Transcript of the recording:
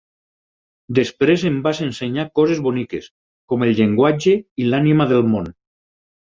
Desprès em vas ensenyar coses boniques, com el Llenguatge i l'Ànima del Món.